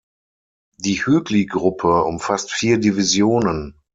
Die Hügli-Gruppe umfasst vier Divisionen.